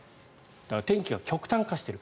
天気が極端化している。